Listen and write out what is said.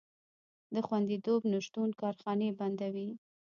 د خوندیتوب نشتون کارخانې بندوي.